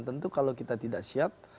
tentu kalau kita tidak siap